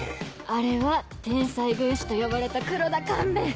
あれは天才軍師と呼ばれた黒田官兵衛。